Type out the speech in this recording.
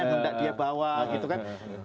yang hendak dia bawa gitu kan